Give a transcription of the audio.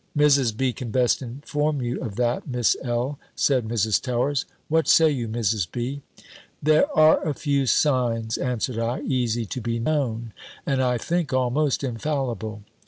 "Mrs. B. can best inform you of that, Miss L.," said Mrs. Towers: "what say you, Mrs. B.?" "There are a few signs," answered I, "easy to be known, and, I think, almost infallible."